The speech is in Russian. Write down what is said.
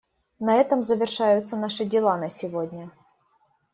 На этом завершаются наши дела на сегодня.